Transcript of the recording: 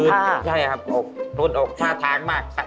อ๋อค่ะใช่ครับหลุดออก๕ทางมาก